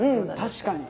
確かに。